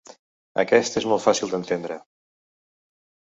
Aquest és molt fàcil d’entendre.